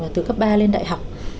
từ cấp ba lên đại học